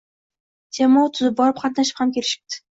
Jamoa tuzib borib qatnashib ham kelishibdi.